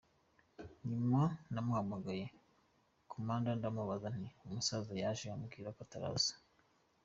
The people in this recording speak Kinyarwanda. Nyuma nahagamaye komanda ndamubaza nti umusaza yaje ambwira ko ataraza.